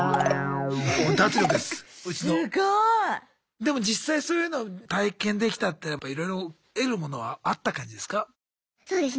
でも実際そういうのを体験できたっていうのはやっぱいろいろ得るものはあった感じですか？